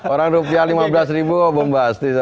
orang rupiah lima belas ribu bombastis